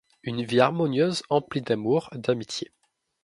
Une vie harmonieuse emplie d'amour, d'amitiés.